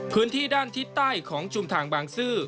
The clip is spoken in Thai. พื้นที่ด้านทิศใต้ของชุมทางบางซื่อ